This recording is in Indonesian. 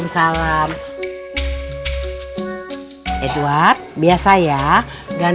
selamat pagi bang